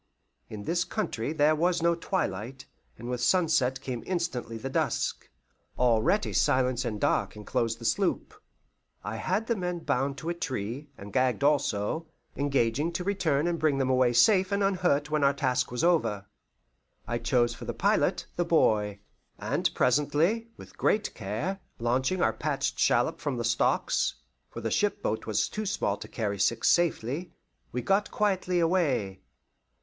In this country there is no twilight, and with sunset came instantly the dusk. Already silence and dark inclosed the sloop. I had the men bound to a tree, and gagged also, engaging to return and bring them away safe and unhurt when our task was over. I chose for pilot the boy, and presently, with great care, launching our patched shallop from the stocks for the ship boat was too small to carry six safely we got quietly away.